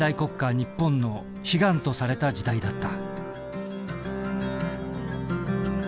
日本の悲願とされた時代だった。